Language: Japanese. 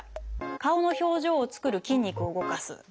「顔の表情を作る筋肉を動かす」。